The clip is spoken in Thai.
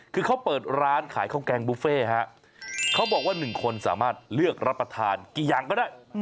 คือเขาเปิดร้านขายข้าวแกงบุฟเฟ่ฮะเขาบอกว่า๑คนสามารถเลือกรับประทานกี่อย่างก็ได้